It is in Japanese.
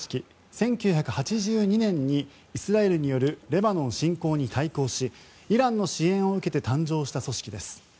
１９８２年にイスラエルによるレバノン侵攻に対抗しイランの支援を受けて誕生した組織です。